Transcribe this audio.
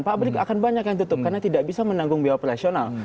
publik akan banyak yang tutup karena tidak bisa menanggung biaya operasional